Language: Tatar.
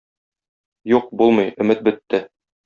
Юк, булмый, өмет бетте!